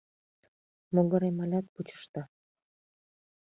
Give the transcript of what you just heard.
Могырем алят пучышта...